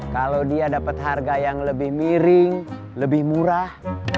kalau dia dapat harga yang lebih miring lebih murah